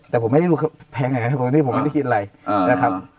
แต่ผมไม่ได้ดูแพงอย่างนั้นที่ผมไม่ได้กินอะไรนะครับ